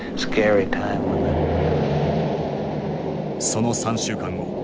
その３週間後。